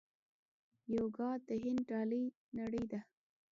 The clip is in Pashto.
یوګا د هند ډالۍ نړۍ ته ده.